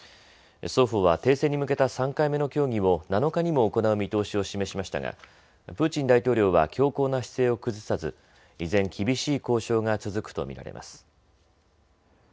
双方は停戦に向けた３回目の協議を７日にも行う見通しを示しましたがプーチン大統領は強硬な姿勢を崩さず依然、厳しい交渉が続くと見られます。